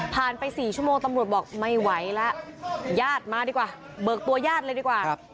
ไป๔ชั่วโมงตำรวจบอกไม่ไหวแล้วญาติมาดีกว่าเบิกตัวญาติเลยดีกว่า